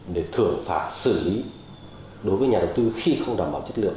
để thưởng phạt xử lý đối với nhà đầu tư khi không đảm bảo chất lượng